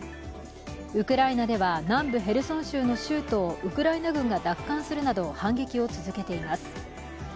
ウクライナでは南部ヘルソン州の州都をウクライナ軍が奪還するなど反撃を続けています。